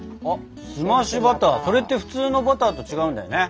澄ましバターそれって普通のバターと違うんだよね。